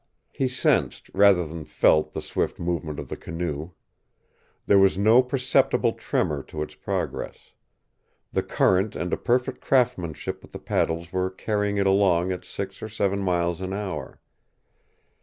He sensed rather than felt the swift movement of the canoe. There was no perceptible tremor to its progress. The current and a perfect craftsmanship with the paddles were carrying it along at six or seven miles an hour.